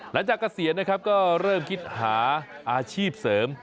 เกษียณนะครับก็เริ่มคิดหาอาชีพเสริม